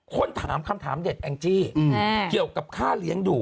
คำถามคำถามเด็ดแองจี้เกี่ยวกับค่าเลี้ยงดู